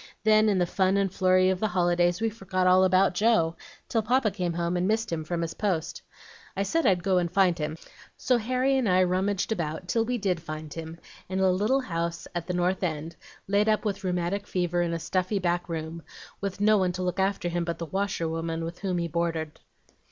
Then, in the fun and flurry of the holidays, we forgot all about Joe, till Papa came home and missed him from his post. I said I'd go and find him; so Harry and I rummaged about till we did find him, in a little house at the North End, laid up with rheumatic fever in a stuffy back room, with no one to look after him but the washerwoman with whom he boarded.